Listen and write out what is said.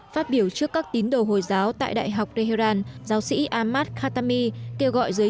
phát biểu trước các tín đồ hồi giáo tại đại học tehran giáo sĩ ahmad khatami kêu gọi giới